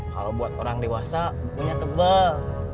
kalau buat orang dewasa punya tebal